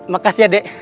makasih ya dek